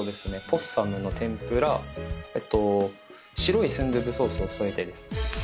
ポッサムの天ぷら白い純豆腐ソースを添えてです